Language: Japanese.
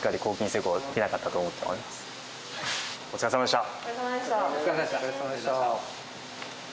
お疲れさまでした。